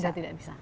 sudah tidak bisa